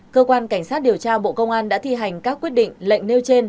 cơ quan cảnh sát điều tra bộ công an đã thi hành các quyết định lệnh nêu trên